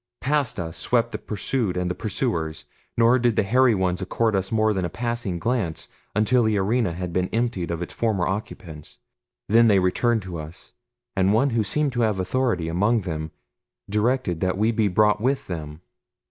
Past us swept the pursued and the pursuers, nor did the hairy ones accord us more than a passing glance until the arena had been emptied of its former occupants. Then they returned to us, and one who seemed to have authority among them directed that we be brought with them.